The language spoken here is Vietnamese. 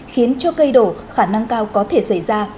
khiến cho cây đổ khả năng cao có thể xảy ra